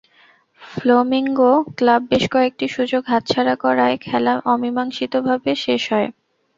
Flamingo club বেশ কয়েকটি সুযোগ হাতছাড়া করায় খেলা অমীমাংসিতভাবে শেষ হয়।